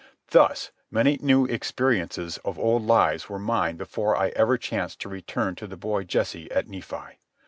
Thus many new experiences of old lives were mine before ever I chanced to return to the boy Jesse at Nephi.